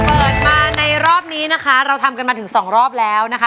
เปิดมาในรอบนี้นะคะเราทำกันมาถึงสองรอบแล้วนะคะ